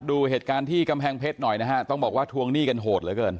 ดูเหตุการณ์ที่กำแพงเพชรหน่อยนะฮะต้องบอกว่าทวงหนี้กันโหดเหลือเกิน